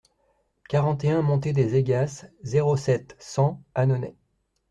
quarante et un montée des Aygas, zéro sept, cent, Annonay